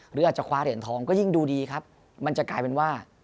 หรืออาจจะคว้าเหรียญทองก็ยิ่งดูดีครับมันจะกลายเป็นว่า